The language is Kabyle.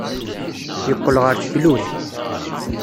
Yeqqel ɣer teklut.